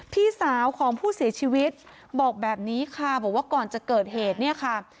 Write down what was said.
พี่สาวของผู้เสียชีวิตบอกแบบนี้ค่ะบอกว่าก่อนจะเกิดเหตุเนี่ยค่ะ